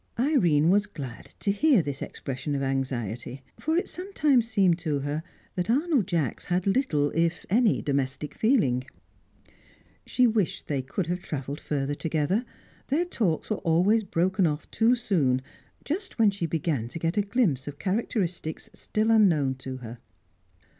Irene was glad to hear this expression of anxiety. For it sometimes seemed to her that Arnold Jacks had little, if any, domestic feeling. She wished they could have travelled further together. Their talks were always broken off too soon, just when she began to get a glimpse of characteristics still unknown to her.